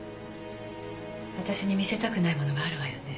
私に見せたくないものがあるわよね？